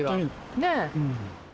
ねえ。